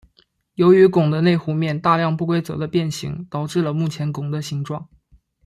由于拱的内弧面大量不规则的变形导致了目前拱的形状。